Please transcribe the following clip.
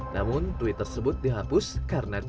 namun tweet tersebut dihapus karena